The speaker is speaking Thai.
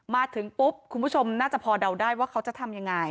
มาถึงปุ๊บคุณผู้ชมน่าจะพอเดาได้ว่าเขาจะทำยังไง